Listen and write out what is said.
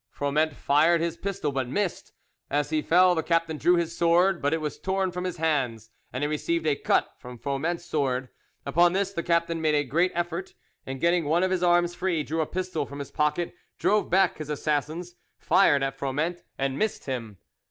Froment fired his pistol, but missed. As he fell the captain drew his sword, but it was torn from his hands, and he received a cut from Froment's sword. Upon this the captain made a great effort, and getting one of his arms free, drew a pistol from his pocket, drove back his assassins, fired at Froment, and missed him.